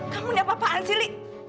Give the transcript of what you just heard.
kamu siapa apaan sih li